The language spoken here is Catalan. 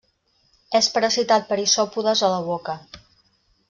És parasitat per isòpodes a la boca.